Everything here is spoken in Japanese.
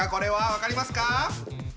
分かりますか？